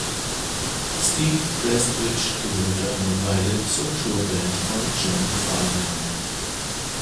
Steve Prestwich gehörte eine Weile zur Tourband von John Farnham.